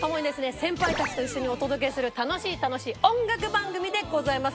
先輩たちと一緒にお届けする楽しい楽しい音楽番組でございます。